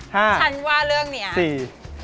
ถ้าฉันว่าเรื่องนี้